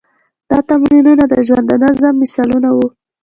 دا تمرینونه د ژوند د نظم مثالونه وو.